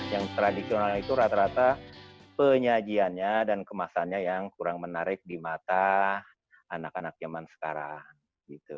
yang tradisional itu rata rata penyajiannya dan kemasannya yang kurang menarik di mata anak anak zaman sekarang gitu